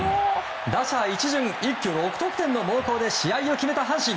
打者一巡、一挙６得点の猛攻で試合を決めた阪神。